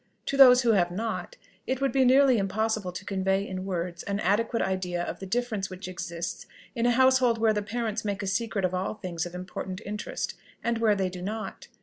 To those who have not, it would be nearly impossible to convey in words an adequate idea of the difference which exists in a household where the parents make a secret of all things of important interest, and where they do not.